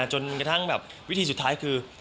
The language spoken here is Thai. จนกระทั่งแบบวิธีสุดท้ายคือ